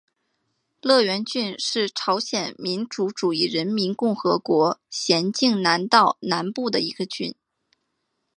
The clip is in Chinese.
乐园郡是朝鲜民主主义人民共和国咸镜南道南部的一个郡。